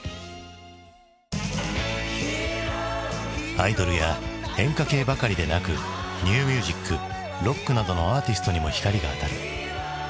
アイドルや演歌系ばかりでなくニューミュージックロックなどのアーティストにも光が当たる。